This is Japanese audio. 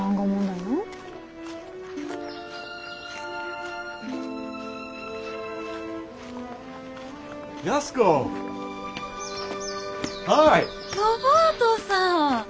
ロバートさん。